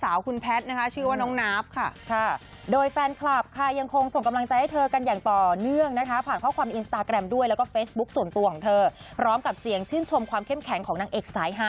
อันนี้ภาพที่เห็นเมื่อสักครู่นี่เป็นหลานสาวคุณแพทน์นะคะ